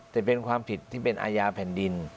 แต่เป็นความผิดที่เป็นอาญาแผ่นดิน